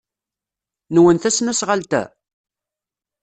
Nwen tesnasɣalt-a?